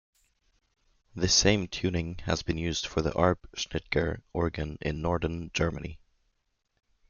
This same tuning has been used for the Arp Schnitger organ in Norden, Germany.